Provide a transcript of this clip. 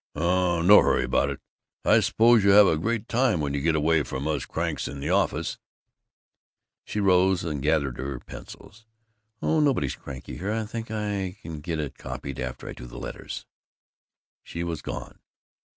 "Oh, no hurry about it.... I suppose you have a great time when you get away from us cranks in the office." She rose and gathered her pencils. "Oh, nobody's cranky here I think I can get it copied after I do the letters." She was gone.